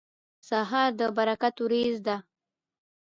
سهار د برکت وریځ ده.